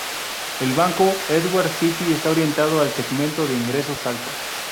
El Banco Edwards Citi está orientado al segmento de ingresos altos.